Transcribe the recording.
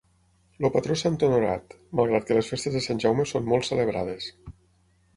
El patró és Sant Honorat, malgrat que les festes de Sant Jaume són molt celebrades.